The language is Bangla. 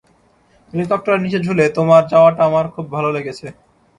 হেলিকপ্টারের নিচে ঝুলে, তোমার যাওয়াটা আমার খুব ভালো লেগেছে।